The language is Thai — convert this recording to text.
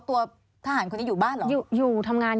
ตัวทหารคนนี้อยู่บ้านเหรอ